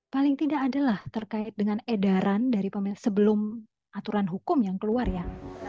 paling tidak adalah terkait dengan edaran dari pemilu sebelum aturan hukum yang keluar ya